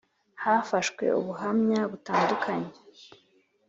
Hafashwe ubuhamya butandukanye